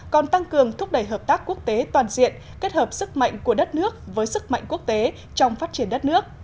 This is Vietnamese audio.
còn tăng cường thúc đẩy hợp tác quốc tế toàn diện kết hợp sức mạnh của đất nước với sức mạnh quốc tế trong phát triển đất nước